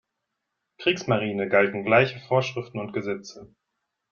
Kriegsmarine galten gleiche Vorschriften und Gesetze.